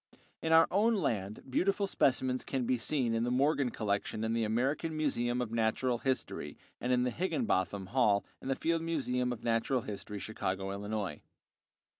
In our own land beautiful specimens can be seen in the Morgan collection at the American Museum of Natural History and in the Higinbotham Hall in the Field Museum of Natural History, Chicago, Illinois.